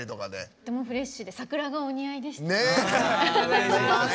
とてもフレッシュで桜がお似合いでしたね。